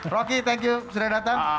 rocky thank you sudah datang